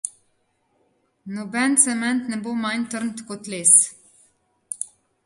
Noben cement ne bo manj trd kot les.